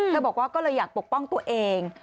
บอกว่าก็เลยอยากปกป้องตัวเอง